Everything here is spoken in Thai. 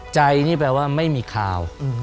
ใจนี่แปลว่าไม่มีข่าว